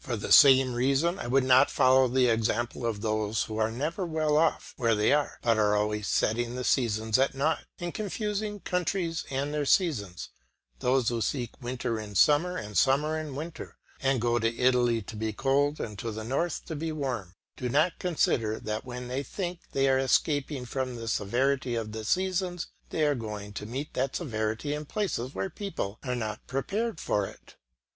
For the same reason I would not follow the example of those who are never well off where they are, but are always setting the seasons at nought, and confusing countries and their seasons; those who seek winter in summer and summer in winter, and go to Italy to be cold and to the north to be warm, do not consider that when they think they are escaping from the severity of the seasons, they are going to meet that severity in places where people are not prepared for it.